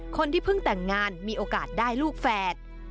คนที่เพิ่งแต่งงานมีโอกาสได้ลูกแฝด